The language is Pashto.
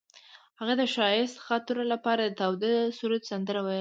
هغې د ښایسته خاطرو لپاره د تاوده سرود سندره ویله.